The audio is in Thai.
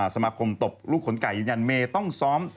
สมาคมตบลูกขนไก่ยืนยันเมย์ต้องซ้อม